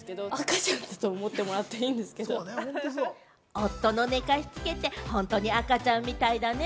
夫の寝かしつけって、本当に赤ちゃんみたいだね。